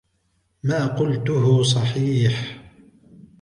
ما قلته صحيح.